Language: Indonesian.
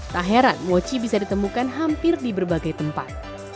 tak heran mochi bisa ditemukan hampir di berbagai tempat